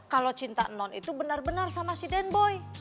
kalau cinta non itu benar benar sama siden boy